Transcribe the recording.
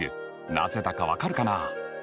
なぜだか分かるかな？